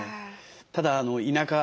ただ田舎